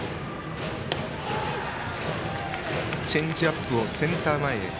チェンジアップをセンター前へ。